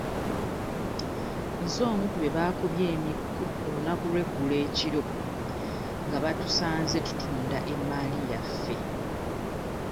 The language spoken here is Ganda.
Nze omu ku be baakubye emiggo olunaku lw'eggulo ekiro nga batusanze tutunda emmaali yaffe.